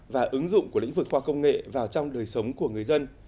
và ứng dụng của lĩnh vực khoa công nghệ vào trong đời sống của người dân